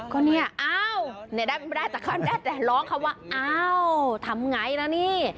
ก็นี่อ้าวนี่ได้แต่ร้องคำว่าอ้าวทำอย่างไรนะนี่